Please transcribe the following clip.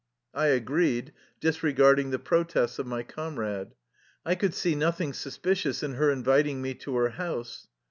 I agreed, disregarding the protests of my com rade. I could see nothing suspicious in her in viting me to her house.